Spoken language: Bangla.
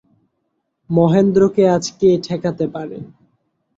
মহেন্দ্রকে আজ কে ঠেকাইতে পারে।